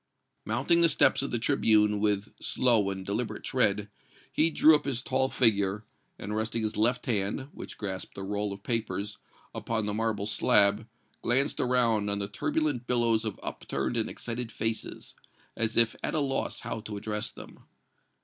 Mounting the steps of the tribune with slow and deliberate tread, he drew up his tall figure, and resting his left hand, which grasped a roll of papers, upon the marble slab, glanced around on the turbulent billows of upturned and excited faces, as if at a loss how to address them.